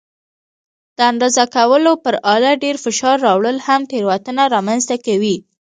د اندازه کولو پر آله ډېر فشار راوړل هم تېروتنه رامنځته کوي.